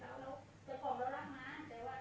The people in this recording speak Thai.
เอาบัตรสะท้ายของผมไปจน